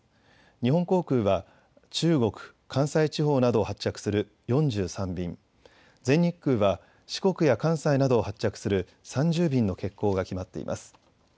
日本航空は中国、関西地方などを発着する４３便、全日空は四国や関西などを発着する３０便の欠航が決まっています。